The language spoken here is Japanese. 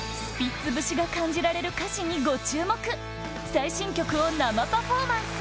最新曲を生パフォーマンス！